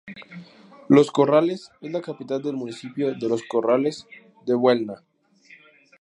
Los Corrales es la capital del municipio de Los Corrales de Buelna.